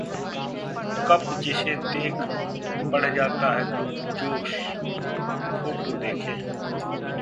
cup जिसे देख बढ़ जाता है जोश | फोटो देखें